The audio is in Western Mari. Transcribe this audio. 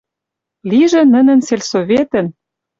Лижӹ нӹнӹн сельсоветӹн